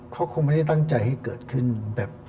เขาคงไม่ได้ตั้งใจให้เกิดขึ้นแบบ